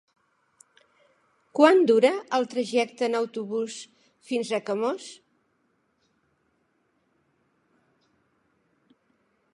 Quant dura el trajecte en autobús fins a Camós?